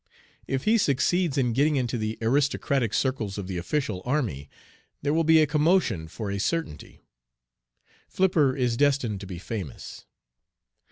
If he succeeds in getting into the aristocratic circles of the official army there will be a commotion for a certainty. Flipper is destined to be famous."